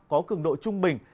có cường độ trung bình